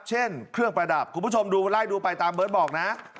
เช่นเครื่องประดับคุณผู้ชมดูไล่ดูไปตามเบิร์ตบอกนะ